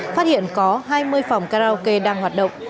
phát hiện có hai mươi phòng karaoke đang hoạt động